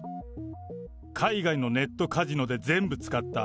海外のネットカジノで全部使った。